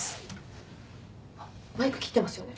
あっマイク切ってますよね？